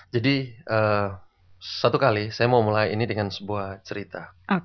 jadi satu kali saya mau mulai ini dengan sebuah cerita